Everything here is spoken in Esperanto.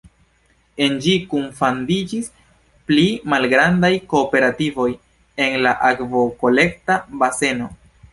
En ĝi kunfandiĝis pli malgrandaj kooperativoj en la akvokolekta baseno.